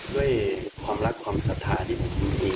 ด้วยความรักความศรัทธาที่ผมมี